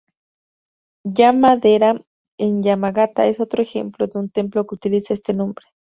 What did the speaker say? Yama-dera en Yamagata es otro ejemplo de un templo que utiliza este nombre.